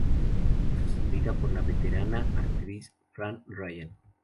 Fue sustituida por la veterana actriz Fran Ryan.